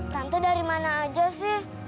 tante dari mana aja sih